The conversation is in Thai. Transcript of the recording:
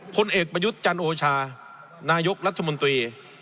ผลเอกประยุทธ์จันโอชานายกรัฐมนตรี